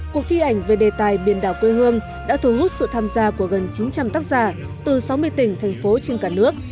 cuộc thi ảnh về đề tài biển đảo quê hương đã thu hút sự tham gia của gần chín trăm linh tác giả từ sáu mươi tỉnh thành phố trên cả nước